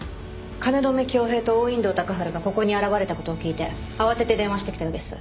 京匡平と王隠堂鷹春がここに現れた事を聞いて慌てて電話してきたようです。